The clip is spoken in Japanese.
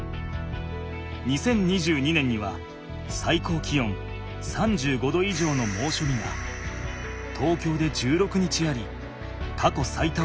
２０２２年には最高気温３５℃以上のもうしょびが東京で１６日ありかこ最多をきろくした。